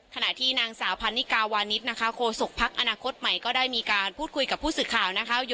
ขณะที่นางสาวพันนิกาวานิสนะคะโคศกพักอนาคตใหม่ก็ได้มีการพูดคุยกับผู้สื่อข่าวนะคะ